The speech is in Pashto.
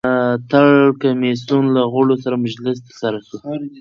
د ملاتړ کمېسیون له غړو سره مجلس ترسره سو.